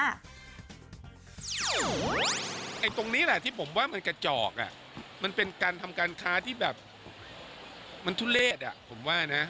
ไอ้ตรงนี้แหละที่ผมว่ามันกระจอกมันเป็นการทำการค้าที่แบบมันทุเลศอ่ะผมว่านะ